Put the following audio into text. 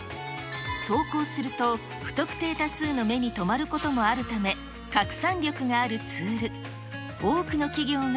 投稿すると不特定多数の目に留まることもあるため、拡散力があるツール。